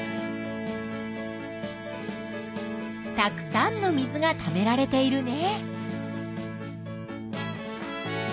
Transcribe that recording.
たくさんの水がためられているね。